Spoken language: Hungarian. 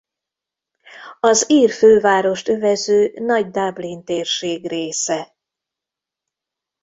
Az ír fővárost övező Nagy-Dublin Térség része.